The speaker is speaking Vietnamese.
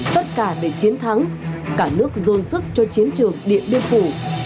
tất cả để chiến thắng cả nước dồn sức cho chiến trường điện biên phủ